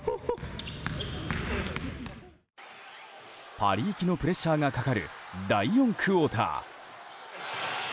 パリ行きのプレッシャーがかかる第４クオーター。